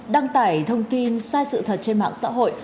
đăng tải thông tin sai sự thật trên mạng xã hội